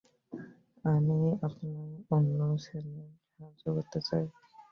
আমি আপনার অন্য ছেলের সাহায্য করতে চাই।